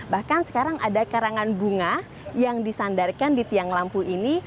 bahkan sekarang ada karangan bunga yang disandarkan di tiang lampu ini